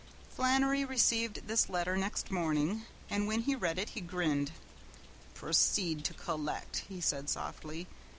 Flannery received this letter next morning, and when he read it he grinned. "Proceed to collect," he said softly.